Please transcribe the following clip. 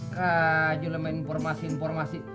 kajul sama informasi informasi